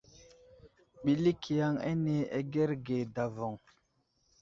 Ɓəlik yaŋ ane agərge davoŋ.